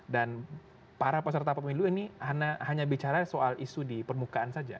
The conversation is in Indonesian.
dan para peserta pemilu ini hanya bicara soal isu di permukaan saja